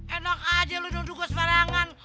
enak aja lu nuduh gua sembarangan